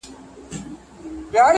د غار خوله کي تاوېدله ګرځېدله,